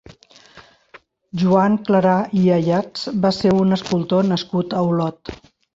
Joan Clarà i Ayats va ser un escultor nascut a Olot.